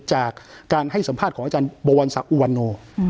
จากการให้สัมภาษณ์ของอาจารย์บวรศักดิอุวันโน